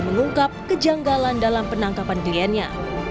mengungkap kejanggalan dalam penangkapan kliennya